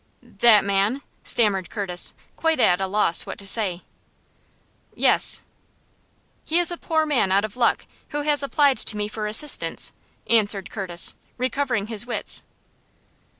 "That man?" stammered Curtis, quite at a loss what to say. "Yes." "He is a poor man out of luck, who has applied to me for assistance," answered Curtis, recovering his wits.